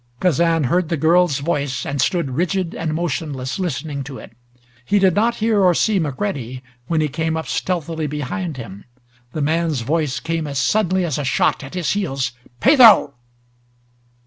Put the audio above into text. Kazan heard the girl's voice, and stood rigid and motionless listening to it. He did not hear or see McCready when he came up stealthily behind him. The man's voice came as suddenly as a shot at his heels. "Pedro!"